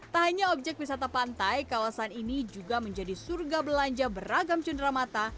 tak hanya objek wisata pantai kawasan ini juga menjadi surga belanja beragam cenderamata